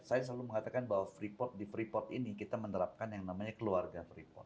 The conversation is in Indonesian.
saya selalu mengatakan bahwa di free port ini kita menerapkan yang namanya keluarga free port